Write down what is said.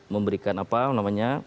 memberikan apa namanya